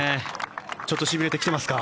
ちょっとしびれてきてますか。